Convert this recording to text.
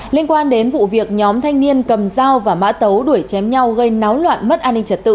liên quan đến vụ việc nhóm thanh niên cầm dao và mã tấu đuổi chém nhau gây náo loạn mất an ninh trật tự